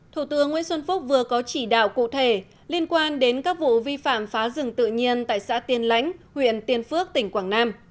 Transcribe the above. thủ tướng nguyễn xuân phúc vừa có chỉ đạo cụ thể liên quan đến các vụ vi phạm phá rừng tự nhiên tại xã tiên lãnh huyện tiên phước tỉnh quảng nam